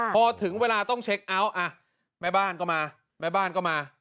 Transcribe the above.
พอถึงเวลาต้องเช็คเอาท์อ่ะแม่บ้านก็มาแม่บ้านก็มา